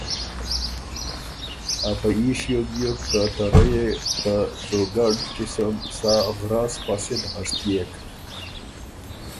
افه يي ݭیوک بیوک که ته رئ يې ته دُوګډ قسُم سا غراص فصل هںشتئېک